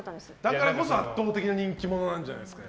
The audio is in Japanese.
だからこそ圧倒的な人気者なんじゃないですか。